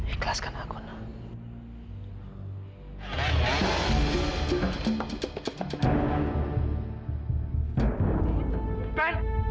ikhlaskan aku nona